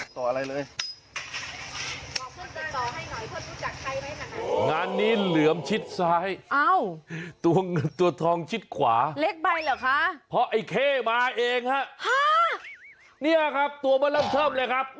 ตัวเลือมชิดซ้ายตัวทองชิดขวาเพราะไอ้เคมาเองครับนี่ครับตัวบ้านเริ่มชอบเลยครับ